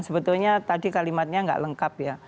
sebetulnya tadi kalimatnya nggak lengkap ya